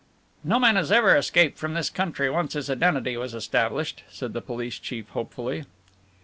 "No man has ever escaped from this country once his identity was established," said the police chief hopefully.